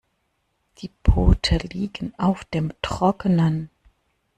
Die Boote liegen auf dem Trockenen.